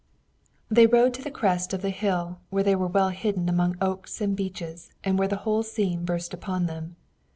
They rode to the crest of the hill, where they were well hidden among oaks and beeches, and there the whole scene burst upon them.